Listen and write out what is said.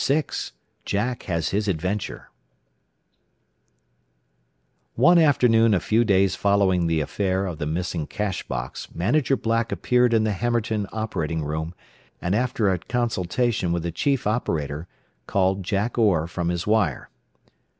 VI JACK HAS HIS ADVENTURE One afternoon a few days following the affair of the missing cash box Manager Black appeared in the Hammerton operating room, and after a consultation with the chief operator, called Jack Orr from his wire.